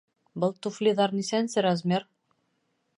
Был туфлиҙар нисәнсе размер?